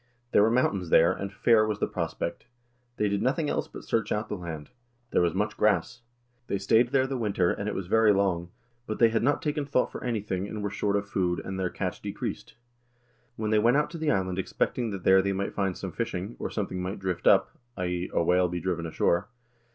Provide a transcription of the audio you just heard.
There were mountains there, and fair was the prospect. They did nothing else but search out the land. There was much grass. They stayed there the winter, and it was very long ; but they had not taken thought for anything, and were short of food, and their catch decreased. Then they went out to the island expecting that there they might find some fishing, or something might drift up (i.e. a whale be driven ashore?).